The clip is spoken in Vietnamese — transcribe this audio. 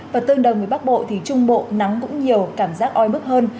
và tương đồng với bắc bộ thì trung bộ nắng cũng nhiều cảm giác oi bức hơn